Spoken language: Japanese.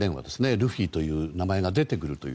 ルフィという名前が出てくるという。